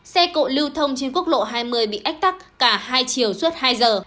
xe cộ lưu thông trên quốc lộ hai mươi bị ách tắc cả hai chiều suốt hai giờ